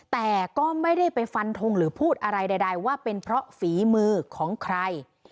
แต่ก็ไม่ได้ไปฟันทงหรือพูดอะไรใดว่าเป็นเพราะฝีมือของใคร